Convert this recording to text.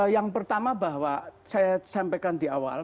yang pertama bahwa saya sampaikan di awal